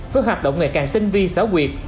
với hoạt động ngày càng tinh vi xáo quyệt